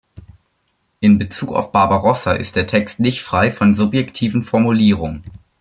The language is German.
In Bezug auf Barbarossa ist der Text nicht frei von subjektiven Formulierungen.